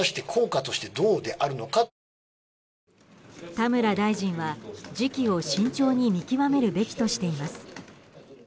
田村大臣は時期を慎重に見極めるべきとしています。